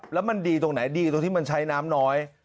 แล้วมันดีตรงไหนดีตรงที่มันใช้น้ำน้อย